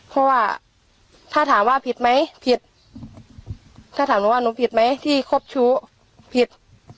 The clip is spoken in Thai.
เพราะว่าถ้าถามว่าผิดไหมผิดถ้าถามหนูว่าหนูผิดไหมที่ครบชู้ผิด